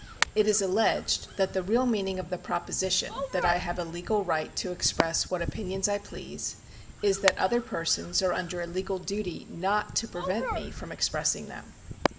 It is alleged that the real mean ing of the proposition that I have a legal right to express what opinions I please, is that other persons are under a legal duty not to prevent me from expressmg them.